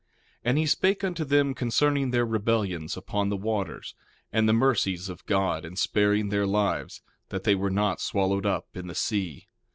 1:2 And he spake unto them concerning their rebellions upon the waters, and the mercies of God in sparing their lives, that they were not swallowed up in the sea.